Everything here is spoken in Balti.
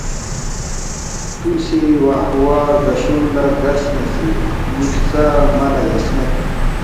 تُوسی واہواہ رگشونگ لا رگسنہ سی مک ہرژہ مہ لا یس مید